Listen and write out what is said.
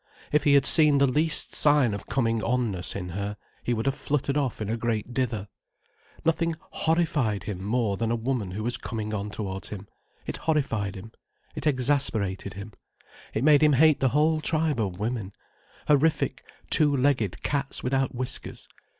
If he had seen the least sign of coming on ness in her, he would have fluttered off in a great dither. Nothing horrified him more than a woman who was coming on towards him. It horrified him, it exasperated him, it made him hate the whole tribe of women: horrific two legged cats without whiskers.